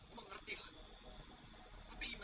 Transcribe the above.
mau jadi kayak gini sih salah buat apa